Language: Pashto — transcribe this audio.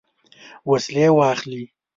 وسلې واخلي.